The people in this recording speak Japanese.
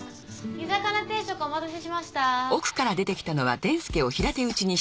煮魚定食お待たせしました。